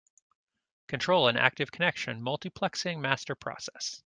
Control an active connection multiplexing master process.